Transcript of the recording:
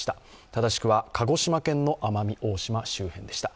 正しくは、鹿児島県の奄美大島周辺でした。